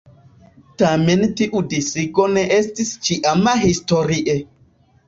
Tamen tiu disigo ne estis ĉiama historie.